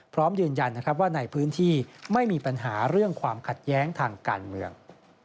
พร้อมยืนยันว่าในพื้นที่ไม่มีปัญหาเรื่องความขัดแย้งทางการเมือง